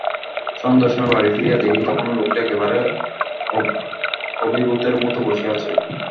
সন্ধ্যার সময় বাড়ি ফিরিয়া দেখি তখনো লোকটা একেবারে অভিভূতের মতো বসিয়া আছে।